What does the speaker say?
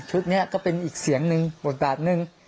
นี้ก็เป็นอีกเสียงหนึ่งบทบาทหนึ่ง